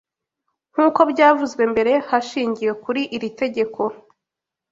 nkuko byavuzwe mbere Hashingiwe kuri iri tegeko